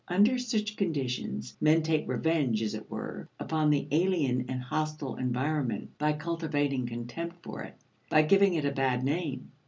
Under such conditions, men take revenge, as it were, upon the alien and hostile environment by cultivating contempt for it, by giving it a bad name.